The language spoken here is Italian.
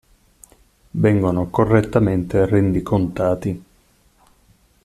Vengono correttamente rendicontati.